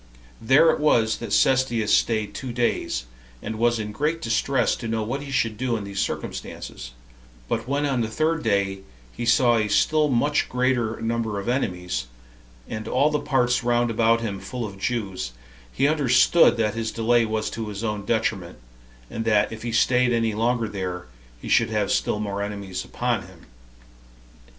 There it was that Cestius staid two days, and was in great distress to know what he should do in these circumstances; but when on the third day he saw a still much greater number of enemies, and all the parts round about him full of Jews, he understood that his delay was to his own detriment, and that if he staid any longer there, he should have still more enemies upon him.